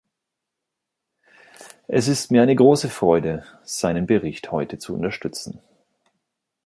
Es ist mir eine große Freude, seinen Bericht heute zu unterstützen.